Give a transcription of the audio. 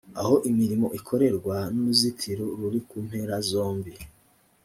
aho imirimo ikorerwa n’uruzitiro ruri ku mpera zombi